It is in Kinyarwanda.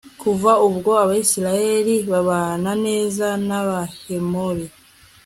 kuva ubwo abayisraheli babana neza n'abahemori